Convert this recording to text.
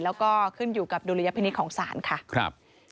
แล้วก็ขึ้นอยู่กับดุลยพินิษฐ์ของศาลค่ะ